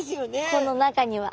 この中には。